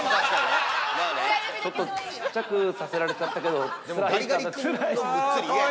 ◆ちょっとちっちゃくさせられちゃったけど、つらいかな。